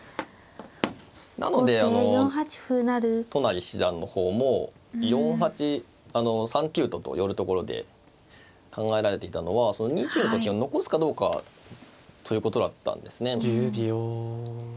なので都成七段の方も４八あの３九とと寄るところで考えられていたのはその２九のと金を残すかどうかということだったんですね。